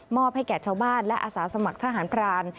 ให้แก่ชาวบ้านและอาสาสมัครทหารพราน